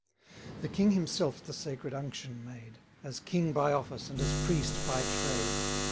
The king himself the sacred unction made, As king by office, and as priest by trade.